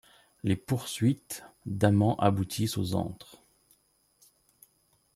Les poursuites" d'amants-aboutissent aux antres ;